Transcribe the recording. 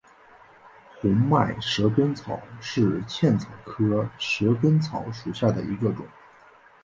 红脉蛇根草为茜草科蛇根草属下的一个种。